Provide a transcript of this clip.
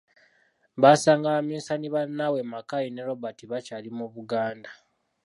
Baasanga Bamisani bannaabwe Mackay ne Robert bakyali mu Buganda.